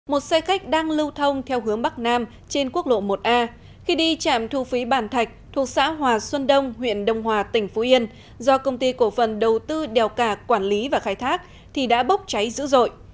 một xe khách đang lưu thông theo hướng bắc nam trên quốc lộ một a khi đi trạm thu phí bàn thạch thuộc xã hòa xuân đông huyện đông hòa tỉnh phú yên do công ty cổ phần đầu tư đèo cả quản lý và khai thác thì đã bốc cháy dữ dội